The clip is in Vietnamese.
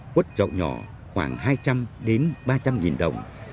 quất chậu nhỏ khoảng hai trăm linh đến ba trăm linh nghìn đồng